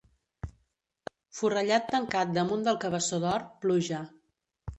Forrellat tancat damunt del Cabeçó d'Or, pluja.